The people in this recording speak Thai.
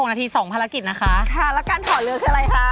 นาที๒ภารกิจนะคะแล้วการถอดเรือคืออะไรคะ